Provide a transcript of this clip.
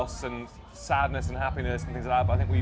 seperti cinta kehilangan kesedihan dan kebahagiaan dan hal hal seperti itu